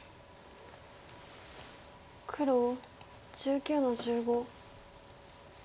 黒１９の十五。